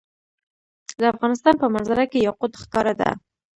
د افغانستان په منظره کې یاقوت ښکاره ده.